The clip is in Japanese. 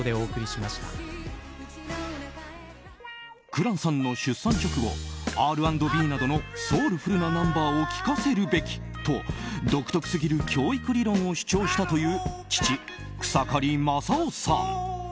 紅蘭さんの出産直後Ｒ＆Ｂなどのソウルフルなナンバーを聴かせるべきと独特すぎる教育理論を主張したという父・草刈正雄さん。